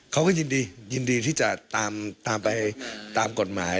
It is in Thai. เขาก็ยินดียินดีที่จะตามไปตามกฎหมาย